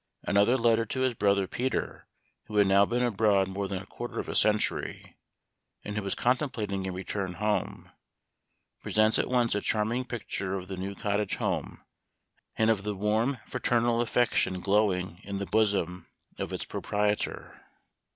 Another letter to his brother Peter, who had now been abroad more than a quarter of a century, and who was contemplating a return home, pre sents at once a charming picture of the new cottage home and of the warm fraternal affec tion glowing in the bosom of its proprietor.